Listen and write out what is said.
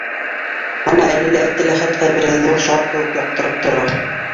Ана, әле лә Әптеләхәт ҡәбере ҙур шар кеүек яҡтырып тора.